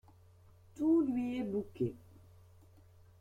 Tout lui est bouquet.